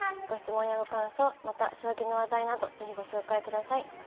ご質問やご感想また将棋の話題など是非ご紹介ください。